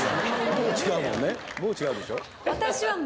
もう違うでしょ」